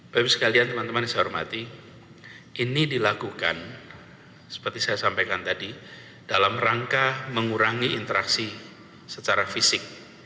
bapak ibu sekalian teman teman yang saya hormati ini dilakukan seperti saya sampaikan tadi dalam rangka mengurangi interaksi secara fisik